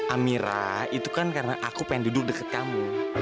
amira itu kan karena aku pengen duduk dekat kamu